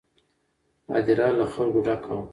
هدیره له خلکو ډکه وه.